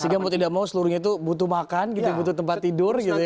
sehingga mau tidak mau seluruhnya itu butuh makan gitu butuh tempat tidur gitu ya